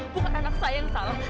bukan anak saya yang salah